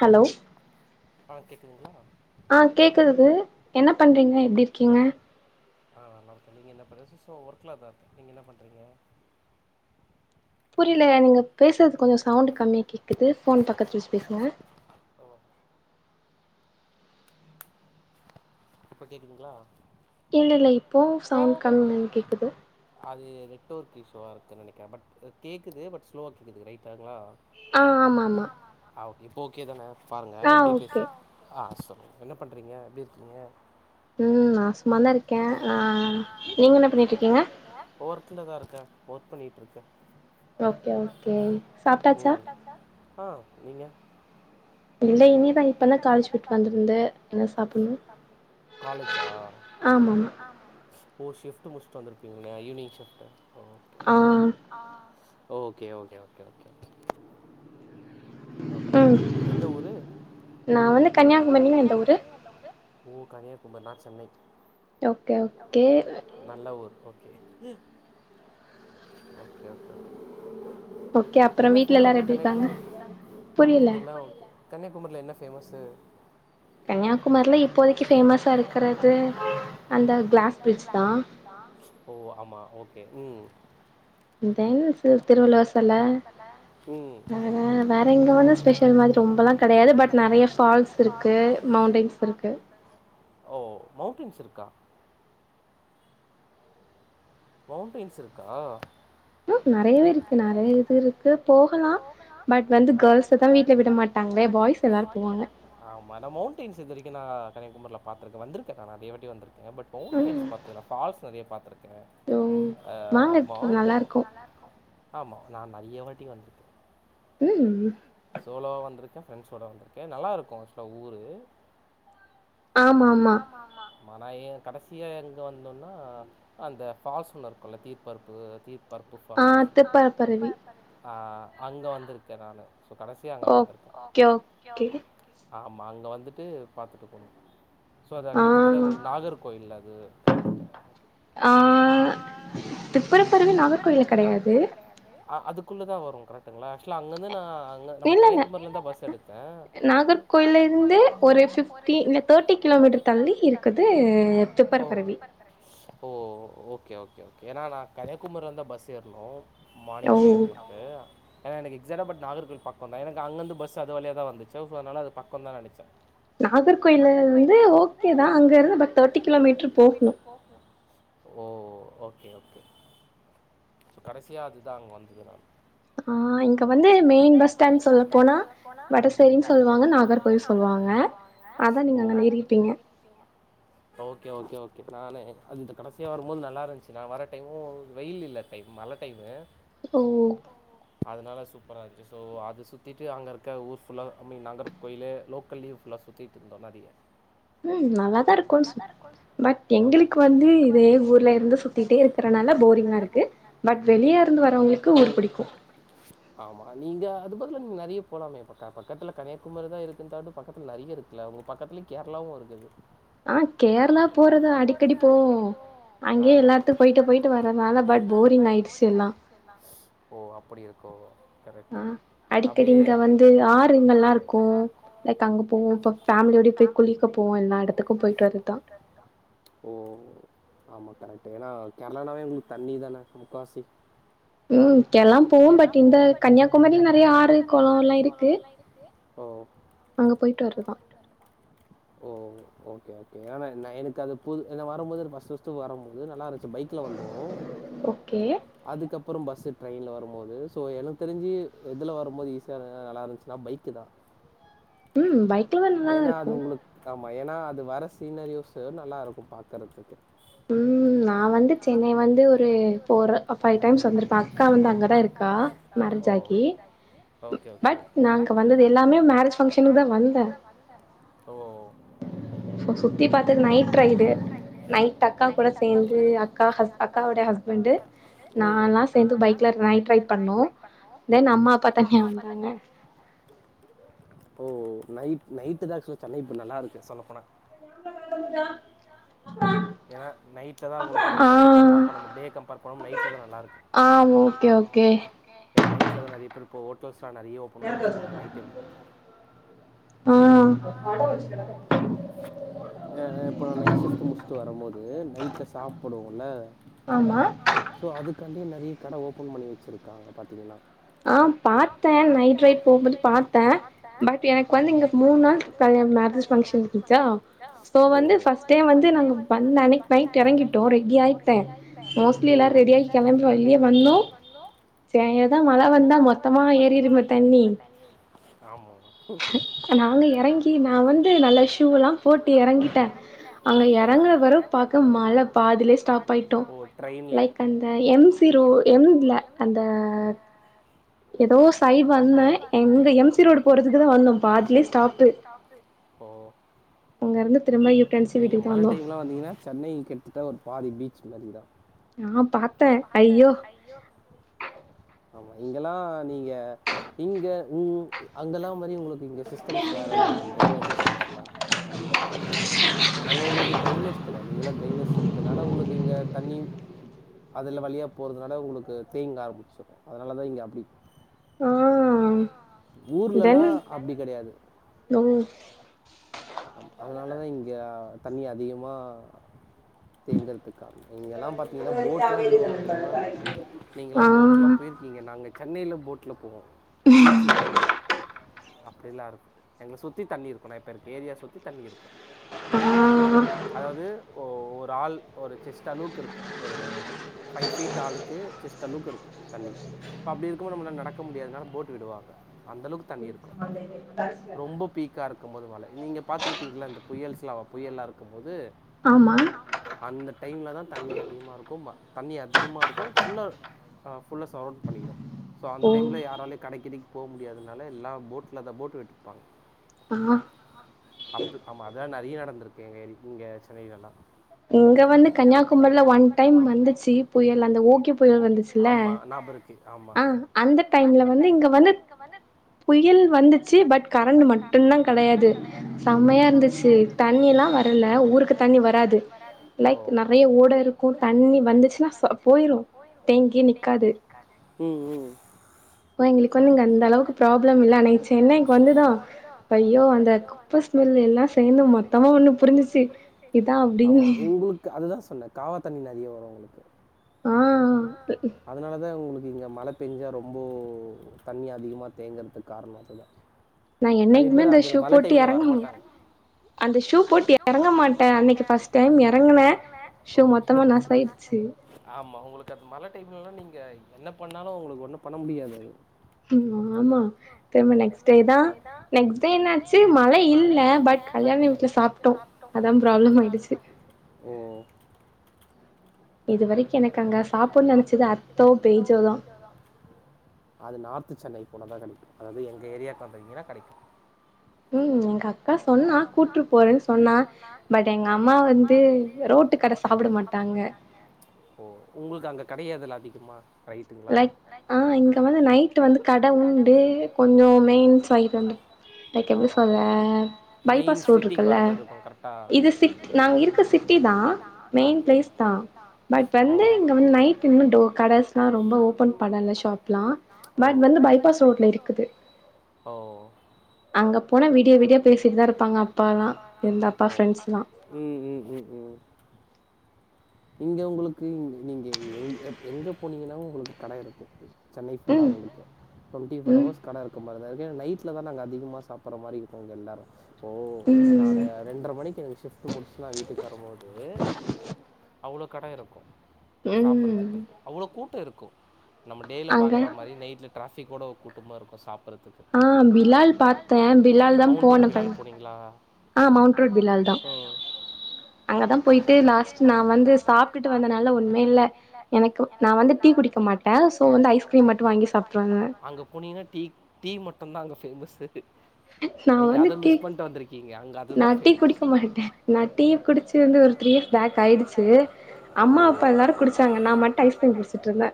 Hello ஆ கேக்குதுது என்ன பண்றீங்க எப்டி இருக்கீங்க? ஆ நல்லா இருக்கே. நீங்க என்ன பண்ற ஸ் சோ ஒர்க்ல இருக்கற நீங்க என்ன பண்றீங்க? புரியல நீங்க பேசுறது கொஞ்ச சவுண்டு கம்மியா கேக்குது. ஃபோன் பக்கத்ல வச்சு பேசுங்க. இப்ப கேக்குதுங்களா? இல்ல இல்ல இப்பவு சவுண்ட் கம்மியாதா கேக்குது. நெட்வொர்க் இ்ஸ்யூவா இருக்குன்னு நெனைக்கிறே. பட் அ கேக்குது பட் ஸ்லோவா கேக்குது ரைட்டுங்களா? ஆ ஆமா ஆமா. ஆ ஓகே இப்ப ஓகேதான? பாருங்க எப்டி பேசு ஆ சொ என்ன பண்றீங்க எப்டி இருக்கீங்க? ம் நா சு நல்லா இருக்கே ஆ நீங்க என்ன பண்ணிட்ருக்கீங்க? ஒர்க் பண்ணிட்ருக்கே. ஓகே ஓகே சாப்ட்டாச்சா? ஆ நீங்க? காலேஜா? ஓ ஷிப்டு முடிச்ட்டு வந்திருப்பீங்கல்ல evening shift. Okay okay. Okay okay okay okay. Okay okay. எந்த ஊரு? ஓ கன்னியாகுமரி நா Chennai. Okay okay. Okay okay okay okay. Okay அப்றோ வீட்ல எல்லாரு எப்டி இருக்காங்க? ம் இங்கல்லா ஓகே. கன்னியாகுமரில என்ன ஃபே மஸு? ஓ ஆமா ஓ கே ம் தென் சி திருவள்ளுவர் செல வேற வேற இங்க வந்து ஸ்பெஷல் மாதிரி ரொம்பல்லா கெடையாது. பட் நெறைய ஃபால்ஸ் இருக்கு மவுண்டெய்ன்ஸ் இருக்கு. மவுண்டெய்ன்ஸ் இருக்கா? மவுண்டெய்ன்ஸ் இருக்கா? ம் நெறையவே இருக்கு நெறைய இது இருக்கு. போகலா பட் வந்து கேர்ள்ஸதா வீட்ல விட மாட்டாங்களே பாய்ஸ் எல்லாரு போவாங்க. கன்யாகுமரில பாத்துருக்கே வந்திருக்கே நா நெறையாவாட்டி வந்துருக் கே பட் மௌண்டெய்ன்ஸ் பாத்தது இல்ல. ஃபால்ஸ் நெறைய பா ம் வாங்க க் நல்லா இருக்கு. ஆமா நா நெறைய வாட்டி வந்திருக்கே. ம் சோலோவா வந்திருக்கே ஃப்ரெண்ட்ஸோட வந்திருக்கே. நல்லா இருக்கு ஆக்சுவலா ஊரு. ஆமா ஆமா. ஆமா நா ஏ கடைசியா எங்க வந்தோன்னா அந்த ஃபால்ஸ் ஒன்னு இருக்குல்ல தீற்பரப்பு தீ பரப்பு ஃபால்ஸுன்னு சொல்ட்டு. ஆ அங்க வந்திருக்கே நானு. சோ கடைசியா அங்க வந்திருக்கே. ஆமா அங்க வந்துட்டு பாத்துட்டு போனோ. சோ அது கிட்டத்த நாகர்கோயில் அது கிட்டத்தட்ட. ஆ அதுக்குள்ளதா வரு கரெக்டுங்களா? ஆக்சுவலா அங்க இருந்து நா அங்க நம்ம கன்னியாகுமரில இருந்துதா பஸ் எடுத்தே. மீட்டர் தள்ளி இருக்குது திற்பரப்பு அருவி. ஓ ஓகே ஓகே ஓகே ஏன்னா நா கன்னியாகுமரில இருந்துதா பஸ் ஏறுனோ. Morning five o'clock. ஏன்னா அன்னைக்கி சைதாபேட் நாகர்கோயில் பக்கம்தா எனக்கு அங்கிருந்து பஸ் அது வழியாதா வந்துச்சு. சோ அதனால அது பக்கம்தா நெனச்சே. நாகர்கோயிலுங் து ஓகேதா. அங்க இருந்து பட் தேர்ட்டி கிலோமீட்டர் போகணு. ஓ ஓகே ஓகே. சோ கடைசியா அதுதா அங்க வந்தது நானு. ஆ இங்க வந்து மெயின் பஸ் ஸ்டாண்ட் சொல்லப் போனா வடசேரின்னு சொல்வாங்க நாகர்கோயில் சொல்வாங்க. அதா நீங்க அங்கன ஏறிருப்பீங்க. ஓகே ஓகே நானு அது இந்த கடைசியா வரும்போது நல்லா இருந்ச்சு நா வர டைமு வெயில் இல்ல டைம் மழ டைமு. ஓ அதனால சூப்பரா இருந்துச்சு. சோ அது சுத்திட்டு அங்க இருக்க ஊர் ஃபுல்லா ஐ மீன் நாகர்கோயிலு லோக்கல்லயு ஃபுல்லா சுத்திட்ருந்தோல்ல அப்டியே ம் நல்லா தா இருக்கு சுத் பட் எங்களுக்கு வந்து இதே ஊர்ல இருந்து சுத்திட்டே இருக்கறனால போரிங்கா இருக்கு. பட் வெளிய இருந்து வரவங்களுக்கு ஊர் பிடிக்கு. ஆமா நீங்க அது பதிலா நீங்க நெறைய போலாமே பக்க பக்கத்துல கன்னியாகுமரிதா இருக்குன்னுதான்டு பக்கத்துல நெறைய இருக்குல்ல? உங்க பக்கத்துல கேரளாவு இருக்குது. ஆ கேரளா போறது அடிக்கடி போவோ. அங்கயே எல்லாத்துக் போய்ட்டு போய்ட்டு வரனால பட் போரிங் ஆயிடுச்சு எல்லா. ஓ அப்படி இருக்கோ? கரெக்ட்டு அப்டியே அ ஓ அ ஆமா கரெக்ட்டு. ஏன்னா கேரளானாவே உங்களுக்கு தண்ணிதான முக்காவாசி? ம் கேரளாவு போவோ பட் இந்த கன்னியாகுமரில நெறைய ஆறு கொளோ எல்லா இருக்கு. அங்க போயிட்டு வர்றதுதா. ஓகே ஓகே ஏன்னா நா எனக்கு அது புது ஏன்னா வரும்போது ஃபஸ்ட்டு ஃபஸ்ட்டு வரும்போது நல்லா இருந்து ச்சு பைக்ல வந்தோ. அதுக்க ப்புறோ பஸ்ஸு ட்ரெயின்ல வரும்போது சோ எனக்கு தெரிஞ்சு எதுல வரும்போது ஈஸியா இருந்து நல்லா இருந்துச்சுன்னா பைக்குதா. ம் பைக் ஏன்னா அது உங்களுக் ஆ மா ஏன்னா அது வர சீனரியூஸு நல்லா இருக்கு பாக்கறதுக்கு. ம் நா வந்து சென்னை வந்து ஒரு ஃபோர் அ ஃபைவ் டைம்ஸ் வந்திருப்பே. அக்கா வந்து அங்கதா இருக்கா மேரேஜ் ஆகி. ம் பட் நா அங்க வந்தது எல்லாமே மேரேஜ் ஃபங்சனுக்குதா வந்தே. சோ சுத்திப்பாத்தது நைட் ரைடு நைட் அக்கா கூட சேந்து அக்கா ஹஸ் அக்காவோட ஹஸ்பண்டு் நான்லா சேந்து பைக்ல நைட் ரைட் பண்ணோ. தென் அம்மா அப்பா தனியா வந்தாங்க. ஓ நைட் நைட்டுதா சோ சென்னை இப்ப நல்லா இருக்கு சொல்லப் போனா. வ தான் ஏன்னா நைட்லதா உங்களுக்கு சென்னை க கம்பேர் பண்ணம்போ டே கம்பேர் பண்ணம்போ நைட்லதா நல்லா இருக்கு ஏன்னா நைட்லதா நெறைய பேரு ப்போ ஓட்டல்ஸ் லா நெறைய ஓப்பன் பண்ணி வச்சிருக்கா நைட் டைம்ல. ஆ ஆ இப்ப நைட் ஷிஃப்டு முடிச்சுட்டு வரும்போது நைட்ல சாப்புடுவோல்ல சோ அதுக்கா ண்டி நெறைய கட ஓப்பன் பண்ணி வச்சிருக்காங்க பாத்தீங்கன்னா. ஆ பாத்தே நைட் ரைடு போம்போது பாத்தே பட் எனக்கு வந்து இங்க ஓ ம் ஆமா. நாங்க எறங்கி நா வந்து நல்ல ஷூ எல்லா போட்டு எறங்கிட்டே. அங்க எறங்குன பெறவு பாக்கறோ மழ பாதிலயே ஸ்டாப் ஆயிட்டோ லைக் அந்த எம் சி ரோ எம் ல அந்த ஏதோ சைட் வந்தே எங்க எம் சி ரோடு போறதுக்குதா வந்தோ. ஓ நீங்க மழ டைம்ல வந்தீங்கனா சென்னை கிட்டத்தட்ட ஒரு பாதி பீ ச்சு மாதிரிதா. ஆ பாத்தே ஐயோ ஆமா இங்கல்லா நீங்க இங்க உ அங்கெல்லா மாரி உங்களுக் கு இங்க சிஸ்டம்ஸ் வேறல்ல ட்ரைனேஜ் சிஸ்டம்ஸ்லா [inaudible] அங்க உங்களுக்கு டிரைனேஜ் கெடையாது. இங்கல்லா டிரைனேஜ் இருக்கறனால உங்களுக்கு இங்க தண்ணி அதுல வழியா போறதுனால உங்களுக்கு தேங்க ஆரம்பிச்சிருக்கு அதனாலதா இங்க அப்டி ஊர்லலாம் அப்டி கெடையாது ஆமா அதனால தா இங்க தண்ணி அதிகமா தேங்குறதுக்கா இங்க எல்லா பாத்திங்கன்னா போட்லா விடுவாங்க தெரியுமா நீங்க எல்லா போட்லா போயிருக்கீங்க நாங்க சென்னையில போட்ல போவோம் வீட்ல அப்புடிலா இருக்கும் எங்கள சுத்தி தண்ணி இருக்கு எப்பயுமே ஏரியா சுற்றி தண்ணி இருக்கும் மழை பெய்யும் போது அதாது ஓ ஒரு ஆள் ஒரு செஸ்டு அளவுக்கு இருக்கும் ஒரு ஃபைவ் ஃபீட் ஆளுக்கு செஸ்ட் அளவுக்கு இருக்கும் தண்ணி அப்டி இருக்கும்போது நம்மளா நடக்க முடியாதுனால போட் விடுவாங்க அந்த அளவுக்கு தண்ணி இருக்கும் ரொம்ப பீக்காக இருக்கும் போது மழ நீங்க பாத்துருப்பீங்கள இந்த புயல்ஸ்லாம் புயல்லாம் இருக்கும் போது அந்த டைம்ல தான் தண்ணி அதிகமா இருக்கும் தண்ணி அதிகமா இருக்கும் ஃபுல்ல ஃபுல்ல சரௌண்ட் பண்ணிடும் சோ அந்த டைம்ல யாராலயும் கடைக்கு கிடைக்கு போக முடியாதுனால எல்லா போட்ல தான் போட் விட்டுப்பாங்க அப் ஆமா அதான் நெறைய நடந்திருக்கு எங்க எரி இங்க சென்னையில எல்லா இங்க வந்து கன்னியாகுமரில ஒன் டைம் வந்துச்சி புயல் அந்த ஓகி புயல் வந்துச்சில அ அந்த டைம்ல வந்து இங்க வந்து புயல் வந்துச்சி பட் கரண்ட் மட்டும் தா கடையாது செம்மையா இருந்துச்சி தண்ணில்லா வரல ஊருக்கு தண்ணி வராது ம் ம் அந்த குப்ப ஸ்மெல் எல்லா சேர்ந்து மொத்தமா ஒண்ணு புரிஞ்சிச்சு இதா ஆமா எங்களுக்கு அது தா சொன்னன் காவ தண்ணி நெறைய வரும் உங்களுக்கு அ அதனால தா உங்களுக்கு இங்க மழை பெஞ்சா ரொம்போ தண்ணி அதிகமா தேங்குறதுக்கு காரணம் அது தா நா என்னைக்குமே இந்த ஷு போட்டு இறங்க அந்த ஷூ போட்டு இறங்க மாட்டேன் அன்னைக்கு ஃபர்ஸ்ட் டைம் இறங்குனே ஷூ மொத்தமா நாசாயிடுச்சு ஆமா உங்களுக்கு அந்த மழை டைம்ல நீங்க என்ன பண்ணாலும் உங்களுக்கு ஒண்ணும் பண்ண முடியாது அது ஆமா திரும்ப நெக்ஸ்டே தா நெக்ஸ் டேனா சி மழை இல்ல பட் கல்யாணம் வீட்ல சாப்பிட்டோம் அதான் ப்ராப்ளம் ஆயிடுச்சு எனக்கு அங்க சாப்பிடடுனு நினைச்சது அத்தோ பேஜோதான் சென்னை போன தா கிடைக்கும் அதாது எங்க. ஏரியாவுக்கு வந்திங்கன்னா கடைக்கும் உம் எங்க அக்கா சொன்னா கூட்டுட்டு போறேன்னு சொன்னா பட் எங்க அம்மா வந்து ரோட்டு கடை சாப்பிட மாட்டாங்க உங்களுக்கு அங்க கடையாதுல அதிகமா லைக் ஆ இங்க வந்து நைட்ல வந்து கடை உண்டு கொஞ்சம் மெயின்க் எப்டி சொல்ற பைபாஸ் ரோட் இருக்குல்ல இது நாங்க இருக்க சிட்டி தான் மெயின் பிளேஸ் தான் பட் வந்து இங்க வந்து நைட் இன்னு டோ கடஸ் கடைல்லா ரொம்ப ஓபன் பண்ணல ஷாப்லா பட் வந்து பைபாஸ் ரோட்ல இருக்குது ஓ ஓ ம் ம் ம் ம் இங்க உங்களுக் கு நீ நீங்க எங் எப் எங்க போனீங்கன்னாலு உங்களுக்கு கட இருக்கு சென்னை ஃபுல்லா உங்களுக்கு டுவெண்டி ஃபோர் ஹவர்ஸ் கட இருக்க மாரிதா ஏன்னா நைட்லதா நாங்க அதிகமா சாப்பட்ற மாரி இருக்கு இங்க எல்லாரு. ப்போ கால ரெண்டரை மணிக்கு எனக்கு ஷிஃப்ட் முடிச்சுட்டு நா வீட்டுக்கு வரும்போது அவ்ளோ கட இருக் சாப்பட்றதுக்குன்ட்டு அவ்ளோ கூட்டோ இருக்கு. நம்ம டேல பாக்குற மாரி நைட்ல ட்ராஃபிக்க விட கூட்டமா இருக்கு சாப்படற ஆ பிலால் பாத்தே பிலால்தா போனோ ஃபர்ஸ் ஆ மவுண்ட் ரோட் பிலால்தா அங்கதா போயிட்டு லாஸ்ட் நா வந்து சாப்ட்டுட்டு வந்தனா அதெல்லா ஒண்ணுமே இல்ல. எனக்கு நா வந்து டீ குடிக்க மாட்டே சோ வந்து ஐஸ்கிரீம் மட்டும் வாங்கி சாப்ட்டு வந்தே. அங்க ஃபேமஸு நா வந்து டீ நா டீ குடிக்க மாட்டே நா டீ குடிச்சு வந்து ஒரு த்ரீ இயர்ஸ் பேக் ஆயிடுச்சு. அம் மா அப்பா எல்லாரு குடிச்சாங்க. நா மட்டும் ஐஸ்கிரீம் புடிச்சிட்டுருந்த.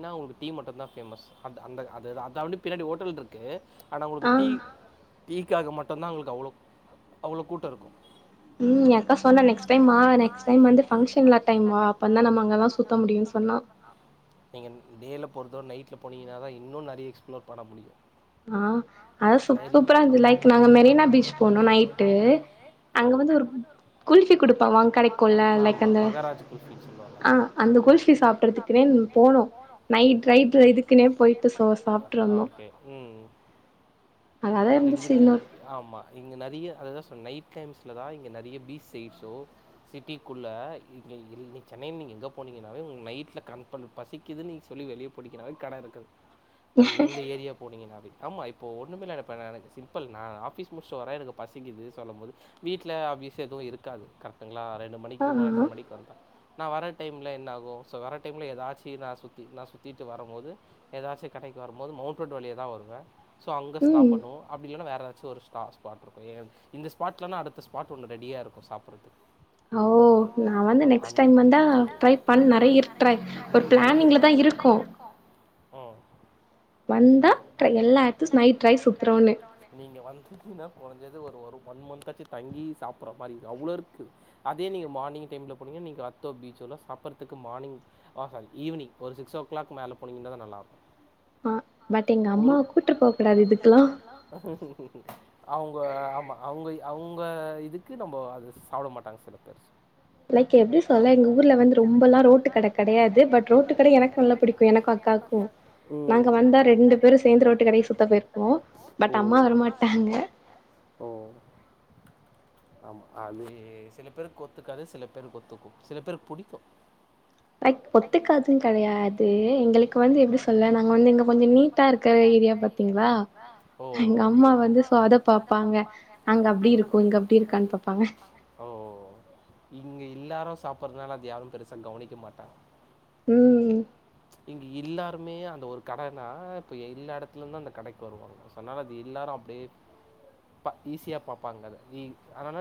ன்னா உங்களுக்கு டீ மட்டும்தா ஃபேமஸ். அந் அந்த அதது அதுக்காக வேண்டி பின்னாடி ஓட்டல் இருக்கு ஆனா உங்களுக்கு டீ டீக்காக மட்டும்தா அவுங்களுக்கு அவ்ளோ அவ்ளோ கூட்டோ இருக்கு. உம் ஏ அக்கா சொன்னா நெக்ஸ்ட் டைம் வா நீங்க டேல போறத வுட நைட்ல போனீங்கனாதா இன்னோ நெறைய எக்ஸ்ப்ளோர் பண்ண முடியு ஆ அது சு சூப்பரா இருந்துது லைக் நாங்க மெரினா பீச் போனோ நைட்டு அங்க வந்து ஒரு க் குல்ஃபி குடுப்பா வாங்க் கடைக்குள்ள லைக் அந்த ஆ அந்த குல்ஃபி சாப்டறதுக்குனே போனோ நைட் ரைட் இதுக்குனே போயிட்டு சோ சாப்ட்டு வந்தோ ம் அங்க இதுக்குன் ஆமா இங்க நெறைய அததா சொ ன்ன நைட் டைம்ஸலதா இங்க நெறைய பீச் சைட்ஸோ சிட்டிக்குள்ள இ க்ஞை இது இன்னைக்கி சென்னைன்னு நீங்க எங்க போனீங்கன்னாலு நைட்ல [unintelligible] பசிக்குதுன்னு நீங்க சொல்லி வெளிய போனீங்கன்னாவே கடை இருக்குது அது எந்த ஏரியா போனீங்கன்னாவே ஆமா இப்போ ஒன்னுமில்ல நா இப்ப நா எனக்கு சிம்பிள் நா ஆஃபீஸ் முடிச்ட்டு வர எனக்கு பசிக்குது சொல்லும் போது வீட்ல ஆப்வியஸ் எதுவு இருக்காது கரெக்ட் ங்ளா ரெண்டு மணிக்கி ஒன்ர மணிக்கு வந்தா நா வர டைமில்ல என்ன ஆகு ஸோ வர டைமில்ல ஏதாச்சி நா சுத்தி நா சுத்திட்டு வரம்போது ஏதாச்சு கடைக்கு வரம்போது மவுண்ட் ரோட் வழியாதா வருவ சோ அங்க ஸ்ட்ராப் பண்ணு அப்படில்லனா வேற வேற சோ ஒரு ஸ்பா ஸ்பாட் இருக்கு எ இந்த ஸ்பாட்லன்ன அடுத்த ஸ்பாட் ஒன்னு ரெடியா இருக்கு சாப்புறதுக்கு ஓகே நா வந்து நெக்ஸ்ட் டைம் வந்தா ட்ரை பண் நறைய இருக்ற ஒரு ஃபிளானிங்லதா இருக்கோ நீங்க வந்துட்டீங்கனா [unintelligible] து ஒரு ஒரு ஒன் மந்த்தாச்சு தங்கி சாப்புர்ற மாரி இருக்கு அவ்ளோ இருக் கு அதே நீங்க மார்னிங் டைம்ல போனீங்கனா நீங்க அத்தோ பீச்சோளா சாப்பறக்கு மார்னிங் ஆக ஈவினிங் ஒரு சிக்ஸ் ஓ கிளாக் மேல போனீங்கனாதா நல்லாருக்கு ஒரு அவுங்க ஆமா அவுங்க இ அவங்க இதுக்கு நம்ம அதுஸ் சாப்ட மாட்டாங்க சில பேர் லைக் எப்படி சொல்ல எங்க ஊர்ல வந்து ரொம்ப எல்லா ரோட்டு கட கெடையாது பட் ரோட்டு கட எனக்கு நல்லா புடிக்கு எனக்கும் அக்காக்கு நாங்க வந்தா ரெண்டு பேரு சேந்து ரோட்டு கடைக்கு சுத்த போயிருப்போ பட் அம்மா வரமாட்டாங்க ஆமா அது து சில பேருக் ஒத்துக்காது சில பேருக்கு ஒத்துக்கும் சில பேருக் புடிக்கு லைக் ஒத்துக்காதுன் கெடையாது எங்களுக்கு வந்து எப்டி சொல்ல நாங்க வந்து இங்க கொஞ்ச நீட்டா இருக்குற ஏரியா பாத்தீங்னா எங்க அம்மா வந்து சோ அத பாப்பாங்க அங்க அப்டி இருக்கு இங்க அப்டி இருக்காங் பப்பாங்க ஓ இங்க இல்லாரு சாப்புறதுனால அது யாரும் பெருசா கவனிக்க மாட்டாங்க இங்க இல்லாது டமே அந்த ஒரு கடனா எல்லா எடத்துலுருந்து அந்த கடைக் வருவாங்க சோ அதனால அத எல்லாரு அப்படியே ப ஈஸியா பாப்பாங்க அத ஈ [unintelligible]